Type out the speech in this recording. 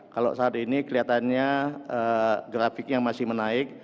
kalau saat ini kelihatannya grafiknya masih menaik